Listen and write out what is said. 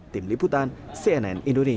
tim liputan cnn indonesia